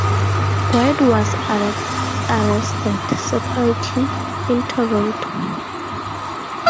Boyd was arrested separately, in Toronto.